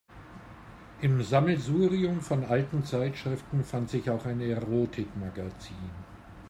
Im Sammelsurium von alten Zeitschriften fand sich auch ein Erotikmagazin.